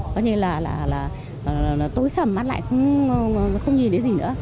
coi như là tối sầm mắt lại cũng không nhìn thấy gì nữa